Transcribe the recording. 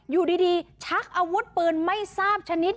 อยู่ดีชักอาวุธปืนไม่ทราบชนิด